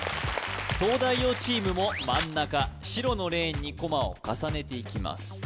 東大王チームも真ん中白のレーンにコマを重ねていきます